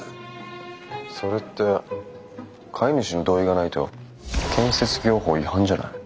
それって買い主の同意がないと建設業法違反じゃない？